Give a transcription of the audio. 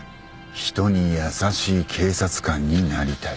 「人に優しい警察官になりたい」